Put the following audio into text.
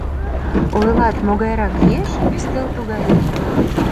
Ойлат, могайрак еш — ӱстел тугай.